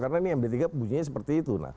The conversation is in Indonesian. karena ini md tiga bunyinya seperti itu